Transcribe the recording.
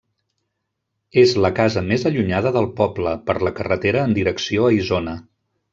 És la casa més allunyada del poble, per la carretera en direcció a Isona.